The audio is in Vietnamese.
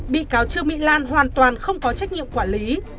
bị cáo trương mỹ lan hoàn toàn không có trách nhiệm quản lý